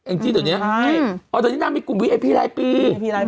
เอ็งจี้ตอนเนี้ยใช่อ๋อแต่งนี้นางมีกรุ่มวีไอพีรายปี